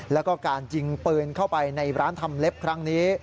แล้วก็การยิงปืนเข้าไปในร้านทำเล็บครั้งนี้